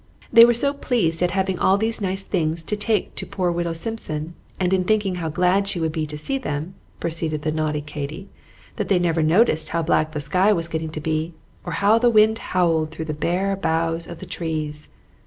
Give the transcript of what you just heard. "They were so pleased at having all these nice things to take to poor widow Simpson and in thinking how glad she would be to see them," proceeded the naughty Katy, "that they never noticed how black the sky was getting to be, or how the wind howled through the bare boughs of the trees.